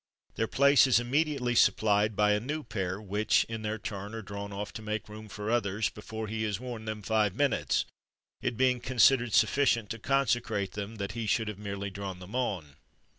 Their place is immediately supplied by a new pair, which, in their turn, are drawn off to make room for others before he has worn them five minutes, it being considered sufficient to consecrate them that he should have merely drawn them on.